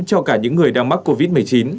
cho cả những người đang mắc covid một mươi chín